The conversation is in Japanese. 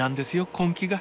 根気が。